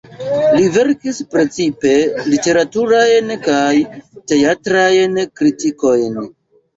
Li verkis precipe literaturajn kaj teatrajn kritikojn.